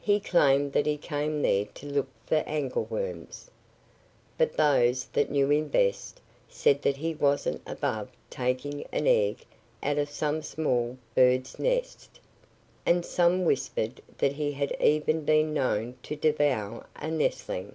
He claimed that he came there to look for angleworms. But those that knew him best said that he wasn't above taking an egg out of some small bird's nest. And some whispered that he had even been known to devour a nestling.